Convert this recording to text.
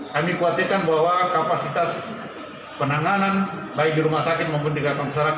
kami khawatirkan bahwa kapasitas penanganan baik di rumah sakit maupun di gatong sarakat